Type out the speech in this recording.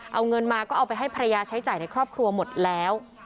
เอาเงินมาก็เอาไปให้ภรรยาใช้จ่ายในครอบครัวหมดแล้ว